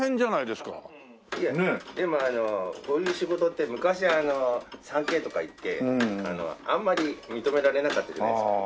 でもこういう仕事って昔３Ｋとかいってあんまり認められなかったじゃないですか。